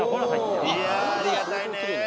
いやぁありがたいね。